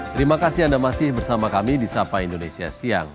terima kasih anda masih bersama kami di sapa indonesia siang